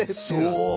そう。